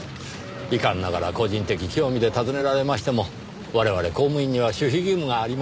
遺憾ながら個人的興味で尋ねられましても我々公務員には守秘義務がありますので。